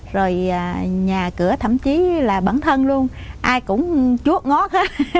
rồi nhà cửa thậm chí là bản thân luôn ai cũng chuốt ngót